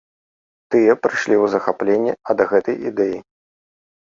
Тыя прыйшлі ў захапленне ад гэтай ідэі.